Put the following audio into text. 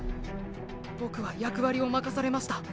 ボクは役割を任されました。